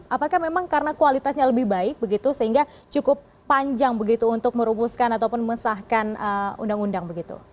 apakah memang karena kualitasnya lebih baik sehingga cukup panjang untuk merumuskan ataupun mensahkan undang undang